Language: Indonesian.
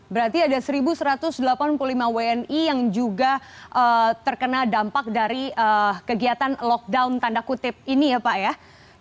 berarti ada satu satu ratus delapan puluh lima wni yang juga terkena dampak dari kegiatan lockdown tanda kutip ini ya pak ya